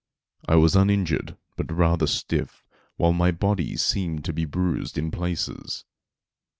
I was uninjured, but rather stiff, while my body seemed to be bruised in places.